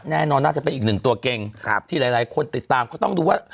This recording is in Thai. แน่นอนน่าจะเป็นอีกหนึ่งตัวเก่งที่หลายคนติดตามก็ต้องดูว่า